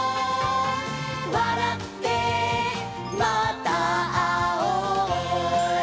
「わらってまたあおう」